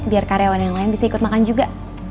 biar karyawan yang lain bisa ikut makan juga